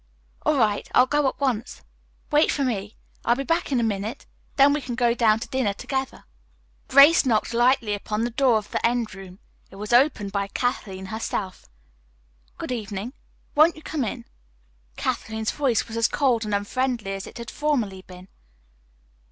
"All right, I'll go at once. Wait for me. I'll be back in a minute. Then we can go down to dinner together." Grace knocked lightly upon the door of the end room. It was opened by Kathleen herself. "Good evening. Won't you come in?" Kathleen's voice was as cold and unfriendly as it had formerly been.